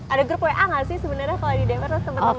ada grup wa gak sih sebenernya kalau di dpr